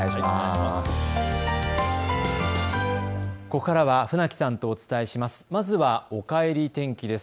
ここからは船木さんとお伝えします。